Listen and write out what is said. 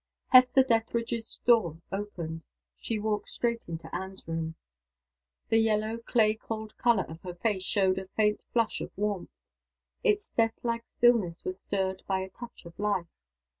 Hester Dethridge's door opened. She walked straight into Anne's room. The yellow clay cold color of her face showed a faint flush of warmth; its deathlike stillness was stirred by a touch of life.